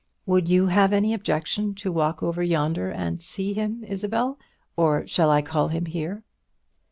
Would you have any objection to walk over yonder and see him, Isabel, or shall I call him here?"